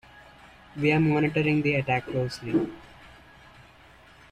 We're monitoring the attack closely.